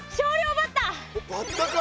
バッタか。